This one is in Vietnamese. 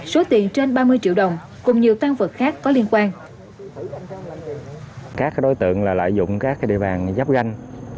số tiền trên ba mươi triệu đồng cùng nhiều tăng vật khác có liên quan